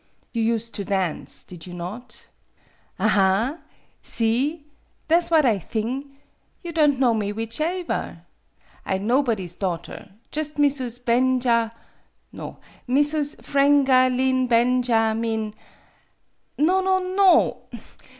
"You used to dance, did you not?" "Aha! See! Tha' 's what I thing. You don' know me whichaever. I nobody's daughter; jus' Missus Ben ja no! Missus Frang a leen Ben ja meen no, no, no!